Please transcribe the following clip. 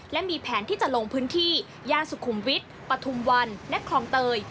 และมีแผนที่จะลงพื้นที่ย่านสุขุมวิทย์ปฐุมวันและคลองเตย